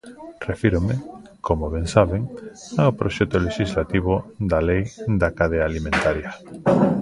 Refírome, como ben sabe, ao proceso lexislativo da Lei da cadea alimentaria.